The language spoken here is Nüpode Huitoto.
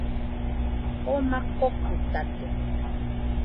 Joma kokuitate